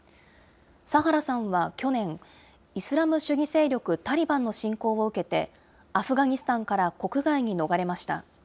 サハラさんは去年、イスラム主義勢力タリバンの進攻を受けて、アフガニスタンから国外へ逃れました。